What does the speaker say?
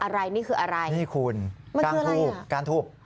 อะไรนี่คืออะไรมันคืออะไรนี่คุณก้านทูบ